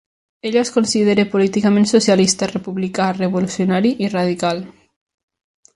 Ell es considera políticament socialista, republicà, revolucionari i radical.